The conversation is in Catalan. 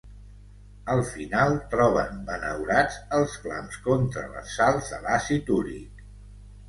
Al final, troben benaurats els clams contra les sals de l'àcid úric.